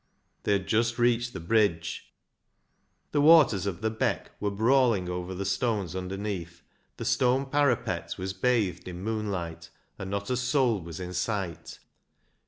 They had just reached the bridge. The waters of the Beck were brawling over the stones underneath, the stone parapet was bathed in moonlight, and not a soul was in sight.